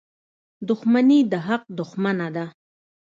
• دښمني د حق دښمنه ده.